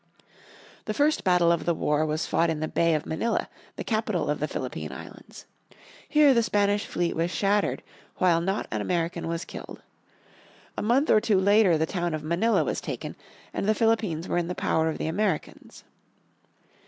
The first battle of the war was fought in the Bay of Manila, the capital of the Philippine Islands. Here the Spanish fleet was shattered while not an American was killed. A month or two later the town of Manila was taken, and the Philippines were in the power of the Americans.